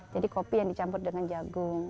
jadi kopi yang dicampur dengan jagung